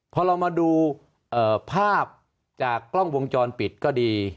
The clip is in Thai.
พอเรามาดูภาพจากกล้องวงจรปิดก็ดี